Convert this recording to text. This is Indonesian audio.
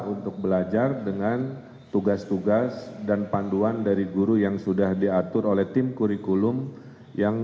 untuk belajar dengan tugas tugas dan panduan dari guru yang sudah diatur oleh tim kurikulum yang